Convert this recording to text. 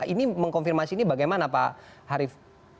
ini mengkonfirmasi ini bagaimana pak harif